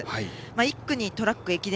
１区にトラック、駅伝